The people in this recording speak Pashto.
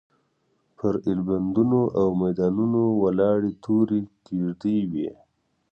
پر ایلبندونو او میدانونو ولاړې تورې کېږدۍ وې.